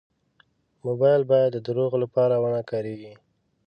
موبایل باید د دروغو لپاره و نه کارېږي.